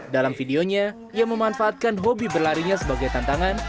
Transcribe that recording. dalam videonya ia memanfaatkan hobi berlarinya sebagai tantangan